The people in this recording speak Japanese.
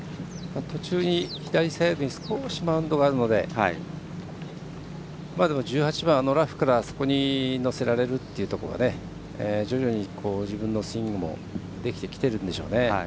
途中に左サイドに少し、マウンドがあるので１８番のラフからあそこに乗せられるというのは徐々に自分のスイングもできてきているんでしょうね。